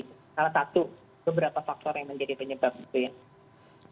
salah satu beberapa faktor yang menjadi penyebab itu ya